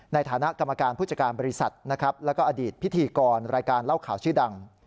ในฐานะกรรมการผู้จัดการบริษัทนะครับแล้วก็อดีตพิธีกรรายการเล่าข่าวชื่อดัง